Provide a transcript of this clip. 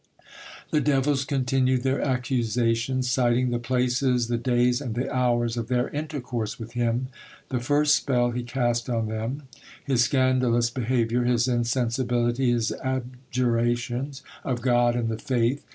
The devils continued their accusations, citing the places, the days, and the hours of their intercourse with him; the first spell he cast on them, his scandalous behaviour, his insensibility, his abjurations of God and the faith.